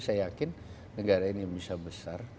saya yakin negara ini bisa besar